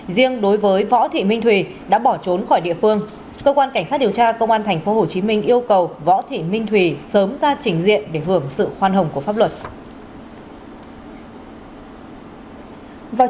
riêng đối với võ thị minh thùy đã bỏ trốn khỏi địa phương cơ quan cảnh sát điều tra công an tp hcm yêu cầu võ thị minh thùy sớm ra trình diện để hưởng sự khoan hồng của pháp luật